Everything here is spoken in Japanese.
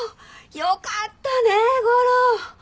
よかったね吾良！